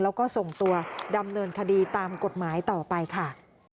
แล้วก็ส่งตัวดำเนินคดีตามกฎหมายต่อไปค่ะ